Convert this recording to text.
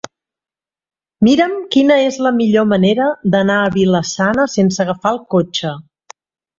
Mira'm quina és la millor manera d'anar a Vila-sana sense agafar el cotxe.